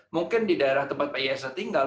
mungkin di daerah tempat pak yesa tinggal